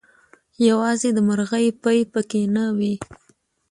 يوازې دمرغۍ پۍ پکې نه وې